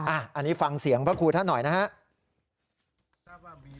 อันนี้ฟังเสียงพระครูท่านหน่อยนะครับ